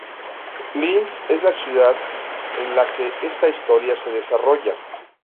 Linz es la ciudad en la que esta historia se desarrolla.